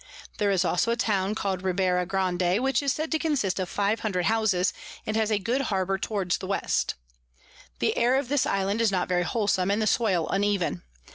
There is also a Town call'd Ribera Grande, which is said to consist of 500 Houses, and has a good Harbour towards the West. The Air of this Island is not very wholesom, and the Soil uneven.